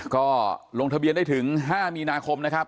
ก็ลงทะเบียนได้ถึง๕มีนาคมนะครับ